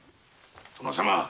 殿様